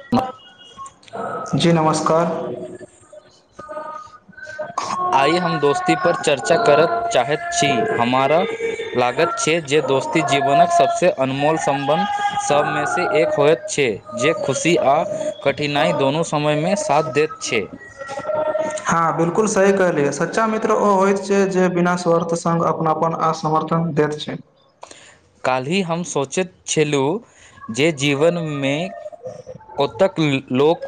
इ तऽ [unintelligible] जी नमस्कार। आइ हम दोस्ती पर चर्चा करय चाहैत छी हमारा लागत छैय जे दोस्ती जीवनक सबसँ अनमोल सम्बन्ध सबमे से एक होत छैय जे खुशी आ कठिनाइ दुनू समयमे साथ दैत छैय। हँ बिलकुल सही कहलियै सच्चा मित्र ओ होइत छैय जे बिना स्वार्थ सङ्ग अपनापन आ समर्थन दैत छैय। काल्हि हम सोचैत छलहुँ जे जीवनमे कतेक लोक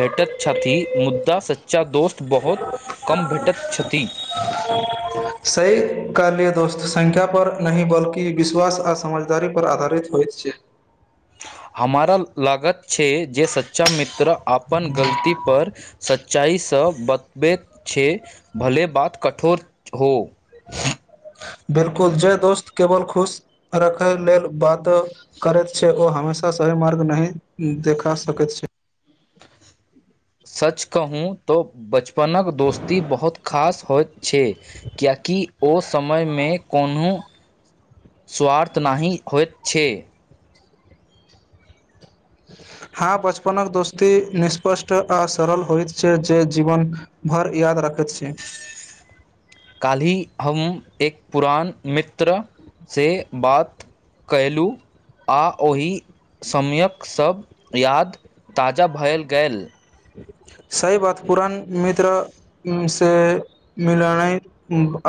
भेटैत छथि मुदा सच्चा दोस्त बहुत कम भेटैत छथि। सही कहलिए दोस्त संख्या पर नहि बल्कि विश्वास आ समझदारी पर आधारित होइत छैय। हमारा लागत छैय जे सच्चा मित्र तरह अपन गलती पर सच्चाइसँ बतबैत छैय भले बात कठोर हो। बिलकुल जे दोस्त केवल खुश रखय लेल बात करैत छैय ओ हमेशा सही मार्ग नहि देखा सकैत छैय। सच कह कहूँ तो बच अपनक दोस्ती बहुत खास होइत। छैय कियेकि ओ समयमे कोनो स्वार्थ नहि होइत छैय। हँ बचपनकक दोस्ती निःष्पष्ट आ सरल होइत छैय जे जीवन भर याद रखैत छैय। काल्हि हम एक पुरान मित्र से बात कयलहुँ आ ओहि समयक सब याद ताजा भएल गेल। सही बात पुरान मित्रसे मिलनैय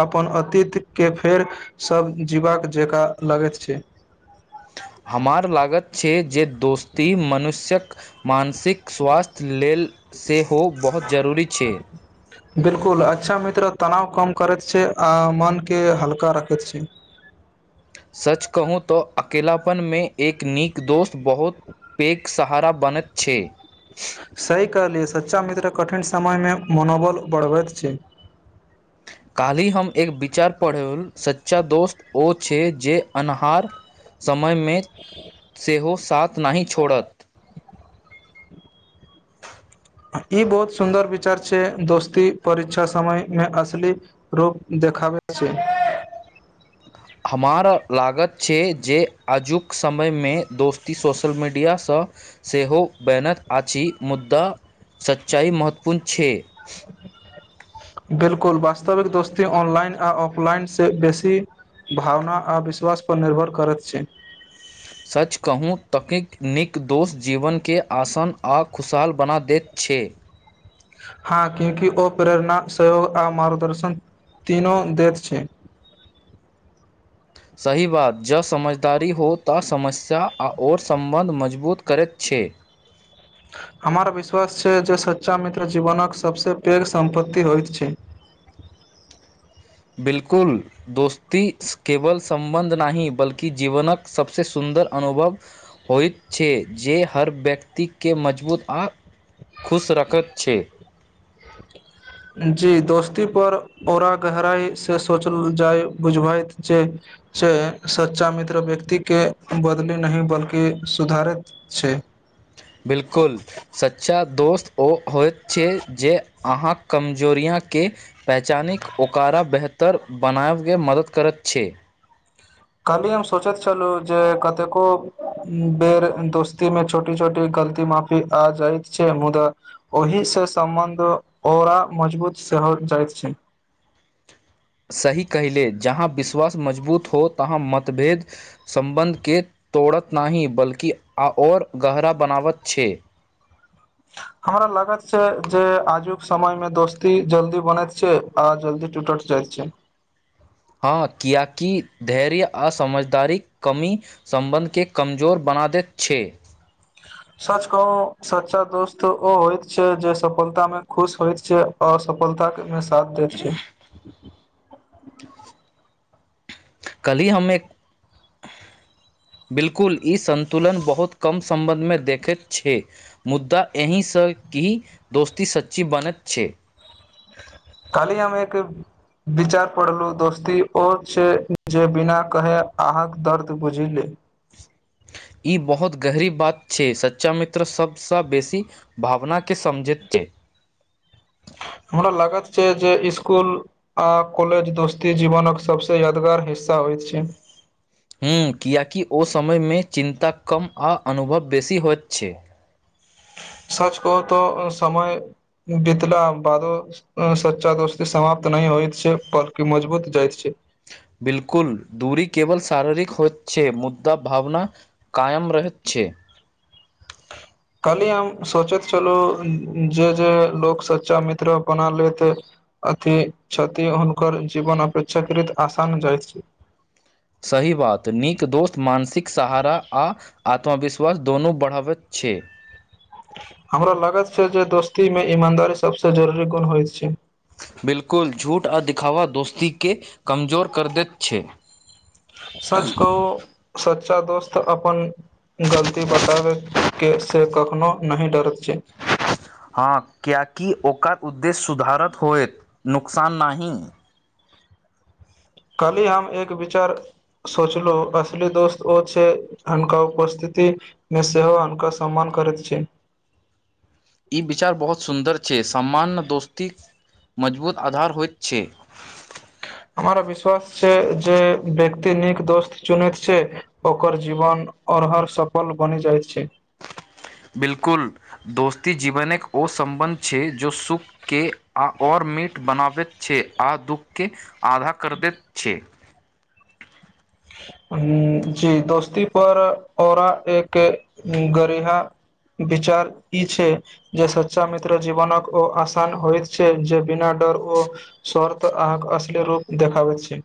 अपन अतीति के फेर सभ जीबाक जकाँ लगैत छैय। हमार लागत छैय जे दोस्ती मनुष्यक मानसिक स्वास्थ्य लेल से हो बहुत जरूरी छै। बिलकुल अच्छा मित्र तनाव कम करैत छै आ मनके हल्का राखैत छै। सच कहू तऽ अकेलपन मे एक नीक दोस्त। बहुत पैघ। सहारा बनैत छैय। सही कहलियै सच्चा मित्र कठिन समयमे मनोबल बढ़बैत छैय। काल्हि हम एक विचार पढ़ौ सच्चा दोस्त ओ छै जे अन्हार समयमे। सेहो। साथ नहि छोड़त। ई बहुत सुन्दर विचार छै दोस्ती परीक्षा समयमे असली रूप देखाबैत छै। हमरा लागत छै जे आजुक समयमे दोस्ती सोशल मीडियासँ सेहो बैनैत अछि मुदा सच्चाइ महत्वपूर्ण छै। बिलकुल वास्तविक दोस्ती ऑनलाइन आ ऑफलाइनसँ बेसी भावना आ विश्वासपर निर्भर करैत छै। सच कहूँ तकीक नीक दोष जीवनके आसान आ खुशहाल बना दैत छै। हँ क्यँकि ओ प्रेरणा सहयोग आ मार्गदर्शन तीनो दैत छै। सही बात जँ समझदारी हो तऽ समस्या आ आओर सम्बन्ध मजबूत करैत छै। हमर विश्वास छै जे सच्चा मित्र जीवनक सभसँ पैघ सम्पत्ति होइत छै। बिलकुल दोस्ती केवल। सं्बन्ध नहि बल्कि। जीवनक सभसँ सुन्दर अनुभव होइत छै जे हर व्यक्ति के मजबूत आ खुश रखैत छै। जी दोस्ती पर ओरा गहराइसँ सोचल जाय बुझबैत जे छै सच्चा मित्र व्यक्तिके बदली नहि बल्कि सुधारैत छै। बिल्कुल सच्चा दोस्त ओ होइत छै जे अहाँक कमजोरियाके पहचानिक ओका बेहतर बनाबके मदद करैत छै। कालहि हम सोचैत छलहुँ जे कतेको बेर दोस्तीमे छोटी छोटी गलती माफी आ जाइत छै मुदा ओहिीसँ सम्बन्ध ओकरा मजबूत सेहो जाइत छै। सही कहिले जहाँ विश्वास मजबूत हो तहाँ मतभेद सम्बन्धके तोड़त नाह बल्कि आ आओर गहरा बनावत छै। हमरा लागत छै जे आजुक समयमे दोस्ती जल्दी बनैत छै आ जल्दी टुूटट जाइत छै। हँ किएकि धैर्य आ समझदारीक कमी सम्बन्धकेँ कमजोर बना दैत छै। सच कहू सच्चा दोस्त ओ होइत छै जे सफलता मे खुश होइत छै आओर सफलतााके। मे साथ द छियै। कल्हि हमे बिलकुल ई सन्तुलन बहुत कम सम्बन्धमे देखैत छै मुद्दा एहिसँ कि दोस्ती सच्ची बनैत छै। काली हममे एक विचार पढ़लहु दोस्ती ओ छै जे बिना कहे अहक दर्द बुझि ले। ई बहुत गहरी बात छै सच्चा मित्र सभसँ बेसी भावना के समझैत छै। हमरा लागत छै जे इस्कुल आ कॉलेज दोस्ती जीवनक सभसँ यादगार हिस्सा होइत छै। हूँ किियकि ओ समयमे चिन्ता कम आ अनुभव बेसी होइत छै। सच कह त समय बीतला बादो सच्चा दोस्ती समाप्त नहिह होइत छै बल्कि मजबूत जाइतत छै। बिलकुल दूरी केवल शारीरिक हो छै मुद्दा भावना कायम रह छै। खाल्हि हम सोचैत छलहुँ जे जे लोक सच्चा मित्र बना लैत अथी छथि हुनकर जीवन अपेक्षाकृत आसान जाइत छै। सही बात नीक दोस्त मानसिक सहारा आ आत्मविश्वास दुनू बढ़ावैत छै। हमरा लागैत छै जे दोस्तीमे ईमानदारी सभसँ जरूरी गुण होइत छै। बिलकुल झूठ आ दिखाावा दोस्ती के कमजोर कर दैत छै। सच कहु सच। स दोस्त अपन। गलती बताबै। के से कखनो नहि डरत। छै हँ क क। ओकर उद्देश सुधारत होयत नुकसान नहि। काल्हि हम एक विचार सोचलहुँ असली दोस्त ओ छै हुनका उपस्थितिमे सेहो हुनका सम्मान करैत छै। ई विचार बहुत सुन्दर छै सामान्य दोस्तीक मजबूत आधार होइत छै। हमरा विश्वास छै जे व्यक्ति नीक दोस्त चुनैत छै ओकर जीवन आओर हर सफल बनि जाइत छै। बिलकुल दोस्ती जीवन एक ओ सं्बन्ध छै जो सुख के आ और मीठ बनाबैत छै आ दुःख के। आधा कर दैत छ। ह जी दोस्ती पर औरा एक। गरीमा। विचार ई छै जे सच्चा मित्र जीवनक ओ आसान होइत छै जे बिना डर ओ स्वर्थ अहाँके अश्लील रूप देखाबैत छै।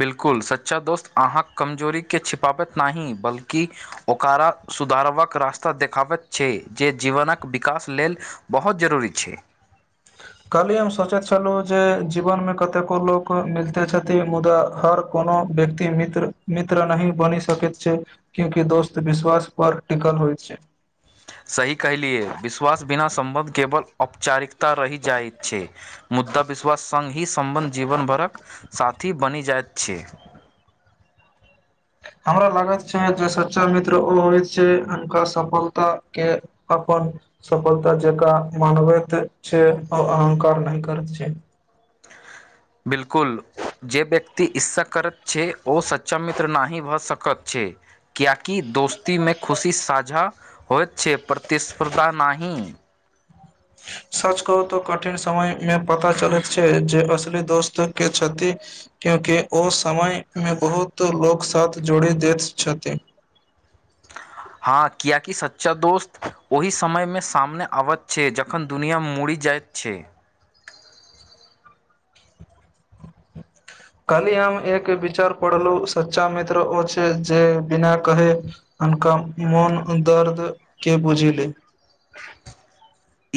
बिल्कुल सच्चा दोस्त अहाँक कमजोरीकेँ छिपाबैत नहिाह बल्कि ओकरा सुधारबाक रास्ता देखाबैत छै। जे जीवनक विकास लेल बहुत जरूरी छै। काल्हि हम सोचैत छलहुँ जे जीवनमे कतेको लोक मिलिते छथिन मुदा हर कोनो व्यक्ति मित्र मित्र नहि बनि सकैत छै क्यूँकि दोस्त विश्वासपर टिकल होइत छै। सही कहहिलियए विश्वास बिना सं्बन्ध केवल औपचारिकता रहि जाइत छै। मुद्दा विश्वास। सङ्ग ही सम्बन्ध जीवन भरक साथी बनि जाइत। छ। हमरा लागैत छै जे सच्चा मित्र ओ होइत छै हुनका सफलतााक के अपन सफलता जका मानबैत छै ओ अहंकार नहि करैत छै। बिलकुल जे व्यक्ति ईसा करैत छै ओ सच्चा मित्र नहि भऽ सकत छै कियाकि दोस्ती मे खुशी साझा होइत छै प्रतिस्पर्धा न। सच कहू तऽ कठिन समय। मे पता चलैत छै जे असली। दोस्त के छथि क्यूकि ओ समयमे बहुत लोक साथ जोड़ि दैत छथि। हँ किियकि सच्चा दोस्त ओहि समयमे सामने आबैत छै जखन दुनिआमे मड़ जाइत छै। काली आम एक विचार पड़ल सच्चा मित्र ओ छै जे बिना के हक मन दर्द के बूझि ले।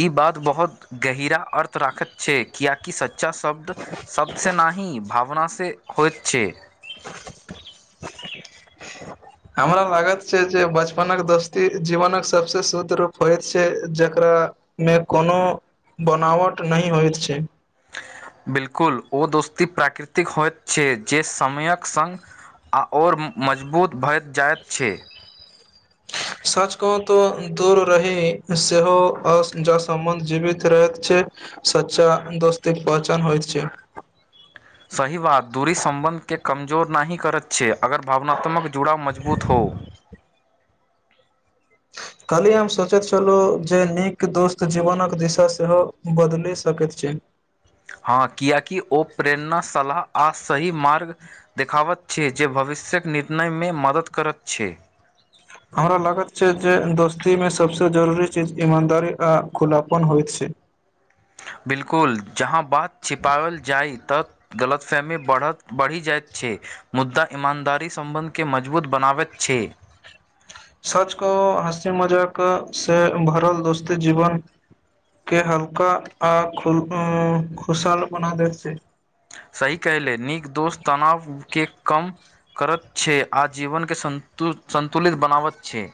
ई बात बहुत गहरा अर्थ राखत छै कियाकि सच्चा। शब्द शब्द से न ही भावनासँ। से होइ छै। हमरा लागत छै जे बचपनक दोस्ती जीवनक सबस शुद्ध रूप होयइत छै जकरा मे कोनो बनावट नहिही होइत छै। बिल्कुल ओ दोस्ती प्राकृतिक होइत छै जे समयक सङ्ग आ आओर मजबूत भए जाइत छै। सच कह तो दूर रहि सेहो ज सम्बन्ध जीवित रहैत छै सच्चा दोस्ती पहचान होइत छै। सही बात दूरी सं्बन्ध के कमके जोर नहिी करैत छियै। अगर भावनात्मक जुड़ाव मजबूत हो। कालहि हम सोचैत छलहुँ जे नीक दोस्त जीवनक दिशा सेहो बदलि सकैत छी हँ किियकि ओ प्रेरणा सलाह आ सही मार्ग देखाबैत छै जे भविष्यक निर्णयमे मदद करैत छै। हमरा लागैत छै जे दोस्तीमे सभसँ जरूरी चीज ईमानदारी आ खुलापन होइत छै। बिल्कुल। जहाँ बात छिपाओल जाइ तऽ। गलतफहमी बढ़ि जाइत छै मुद्दा ईमानदारी सम्बन्ध के मजबूत बनाबैत छै। सच को हँसी मजाक से भरल दोस्ती जीवन के हल्का आ ख खुशहाल बना देते। सही कह ले नीक दोस्त तनाव के कम। करत छै आ जीवन के संतु संतुलित बनावत छै।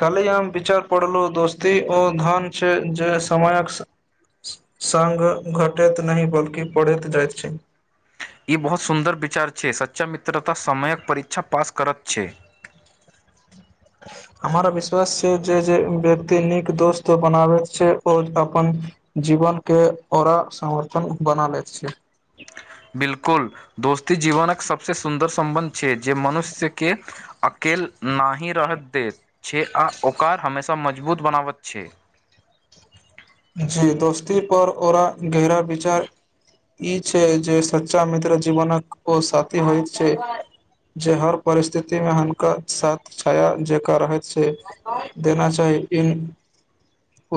काल्हि आ हम विचार पढ़लहुँ दोस्ती ओ धन छै जे समयक सङ्ग घटैत नहि बल्कि पढ़ैत जाइत छै। ई बहुत सुन्दर विचार छै। सच चा मित्रता समयक परीक्षा पास करत छै। हमरा विश्वास छै जे जे व्यक्ति नीक दोस्त बनाबैत छै आओर अपन जीवनके ओरा समर्पन बना लैत छै। बिलकुल दोस्ती जीवनकक सबसँ सुन्दर सं्बन्ध छै। जे मनुष्यके। अकेल नहिहि रहत दत छै आ ओकर हमेशा मजबूत बनाबैत छै। जी दोस्ती पर ओरा गहरा विचार ई छै। जे सच्चा मित्र जीवनक ओ साथी होइत छै। जे हर परिस्थिति मे हुनका साथ छाया जेक रहैत छै। देना चाही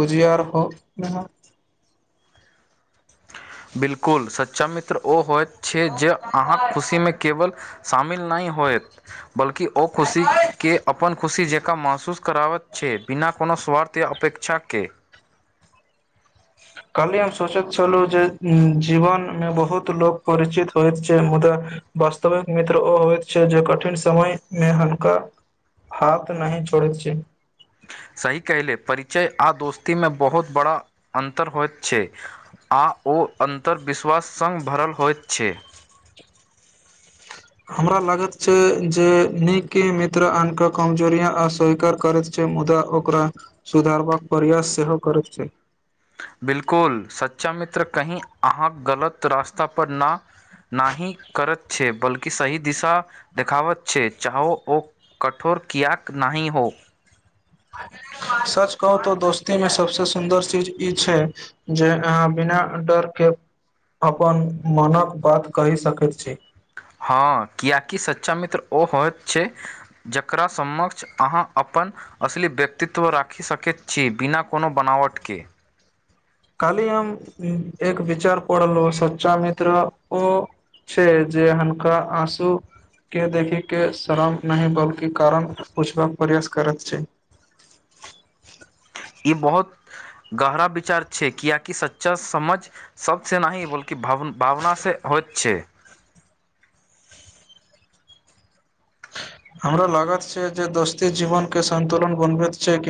उुजियार हो। ब। बिल्कुल सच्चा मित्र ओ होयत। छै। जे अहाँ खुशीमे केवल। शामिल नहि होत। बल्कि ओ खुशीके अपन खुशी जे। ा महसूस कराबैत छै। बिना कोनो स्वार्थ या अपेक्षाके। काल्हि हम सोचैत छलहुँ जे जीवनमे बहुत लोक परिचित होइत छै। मुदा वास्तविक मित्र ओ होइत छै। जे कठिन समयमे हुनका हाथ नहि छोड़ैत छै। सही कहलै परिचय आ दोस्तीमे बहुत बड़ा अन्तर होइत छै। आ ओ अन्तर्विश्वास सङ्ग भरल होइत छै। हमरा लागैत छै जे नीके मित्र आन क कमजोर अस्वीकार करैत छै। मुदा ओकरा सुधारबाक प्रयास सेहो करैत छै। बिलकुल सच्चा मित्र कही अहाँ गलत रास्ता पर न नी करैत छै बल्कि सही दिशा देखाबत छै चाहो ओ कठोर किएक नी हो। सच कहू तऽ दोस्ती मे सबस सुन्दर चीज ई छै जे अहाँ बिना डर के अपन मनक बात कहि सकैत छी। हँ किएकि सच्चा मित्र ओ होइत छै जकरा समक्ष अहाँ अपन असली व्यक्तित्व राखि सकैत छी बिना कोनो बनावटके। काली हम एक विचार पढ़लहु सच्चा मित्र ओ छै जे हनका आँसू के देखिक के शरम नहि बल्कि कारण पूछबाक प्रयास करैत छै। ई बहुत गहरा विचार छै किआकि सच्चा समझ। सबसँेनाही बोलकि भ भावना से होइत छै। हमरा लागात छै जे दोस्ती जीवन के सन्तुलन बनबैत छै कि।